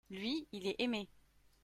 lui, il est aimé.